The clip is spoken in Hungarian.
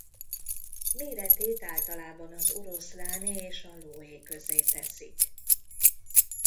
Méretét általában az oroszláné és a lóé közé teszik.